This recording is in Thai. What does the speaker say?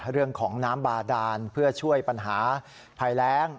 เรื่องของน้ำบาดานเพื่อช่วยปัญหาภัยแรง